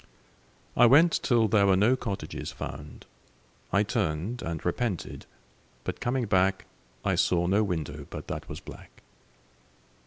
I went till there were no cottages found. I turned and repented, but coming back I saw no window but that was black.